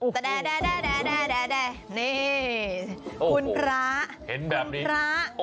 คุณพระคุณพระ